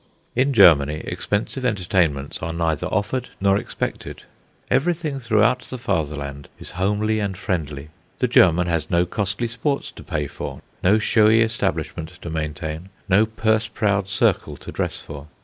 In Germany expensive entertainments are neither offered nor expected. Everything throughout the Fatherland is homely and friendly. The German has no costly sports to pay for, no showy establishment to maintain, no purse proud circle to dress for.